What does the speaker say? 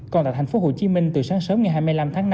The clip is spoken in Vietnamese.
còn tại thành phố hồ chí minh từ sáng sớm ngày hai mươi năm tháng năm